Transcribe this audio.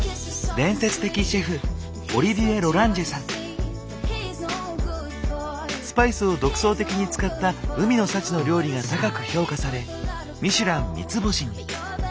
伝説的シェフスパイスを独創的に使った海の幸の料理が高く評価されミシュラン三つ星に。